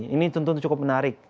ini tentu cukup menarik